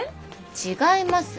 違います！